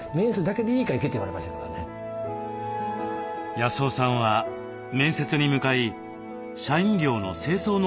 康雄さんは面接に向かい社員寮の清掃のアルバイトに合格します。